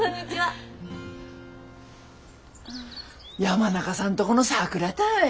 山中さんとこのさくらたい。